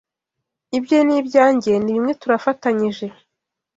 ibye n'ibyanjye ni bimwe turafatanyije